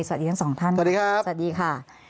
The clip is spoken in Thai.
สวัสดีทั้งสองท่านสวัสดีครับสวัสดีค่ะ